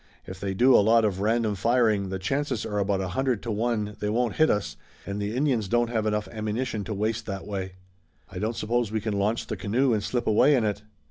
"If they do a lot of random firing the chances are about a hundred to one they won't hit us, and the Indians don't have enough ammunition to waste that way." "I don't suppose we can launch the canoe and slip away in it?"